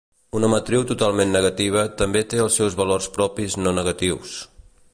Una matriu totalment negativa també té els seus valors propis no-negatius.